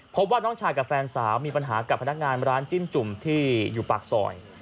พบว่าน้องชายกับแฟนสาวมีปัญหากับพนักงานร้านจิ้มจุ่มที่อยู่ปากซอย